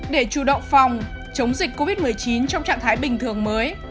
để chủ động phòng chống dịch covid một mươi chín trong trạng thái bình thường mới